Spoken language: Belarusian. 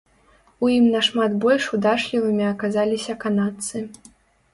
У ім нашмат больш удачлівымі аказаліся канадцы.